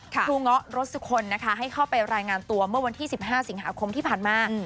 เงาะรสสุคลนะคะให้เข้าไปรายงานตัวเมื่อวันที่๑๕สิงหาคมที่ผ่านมา